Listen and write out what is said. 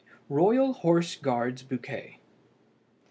ROYAL HORSE GUARD'S BOUQUET.